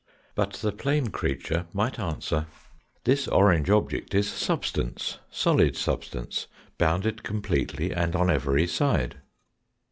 But the plane creature might answer, " This orange object is substance, solid substance, bounded completely and on every side."